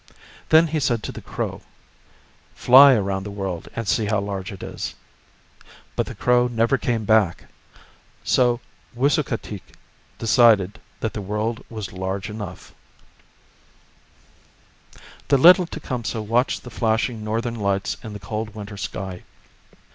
Then he said to the crow, " Fly around the world and see how large it is." But the crow never came back, so Wisukateak decided that the world was large enough. The little Tecumseh watched the flashing northern lights in the cold winter sky.